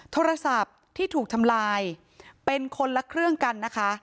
โทรศัพท์ที่ถูกทำลายเป็นคนละเครื่องกันนะคะ